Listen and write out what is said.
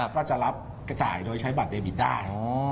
ก็จะรับกระจ่ายโดยใช้บัตรเดบิตได้